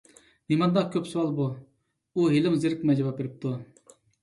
نېمانداق كۆپ سوئال بۇ؟ ! ئۇ ھېلىمۇ زېرىكمەي جاۋاب بېرىپتۇ.